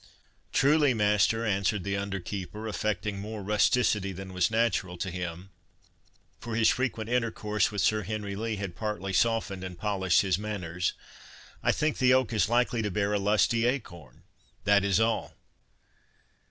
"Truly, master," answered the under keeper, affecting more rusticity than was natural to him, (for his frequent intercourse with Sir Henry Lee had partly softened and polished his manners,) "I think the oak is like to bear a lusty acorn—that is all."